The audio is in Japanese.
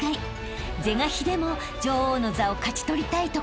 ［是が非でも女王の座を勝ち取りたいところ］